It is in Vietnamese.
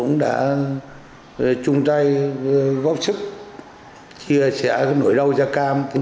góp sức chia sẻ nỗi đau da cam